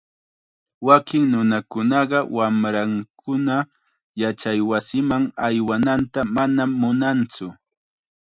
Wakin nunakunaqa wamrankuna yachaywasiman aywananta manam munantsu.